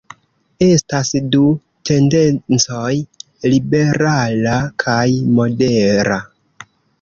Estas du tendencoj: liberala kaj modera.